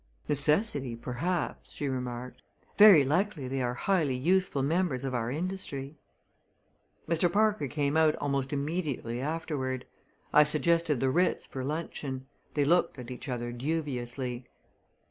"Necessity, perhaps," she remarked. "Very likely they are highly useful members of our industry." Mr. Parker came out almost immediately afterward. I suggested the Ritz for luncheon. They looked at each other dubiously.